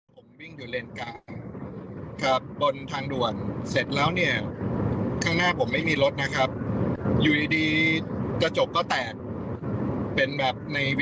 แผงโซล่าเซลล์เนี่ยครับตกอยู่ตรงข้างทางแล้ว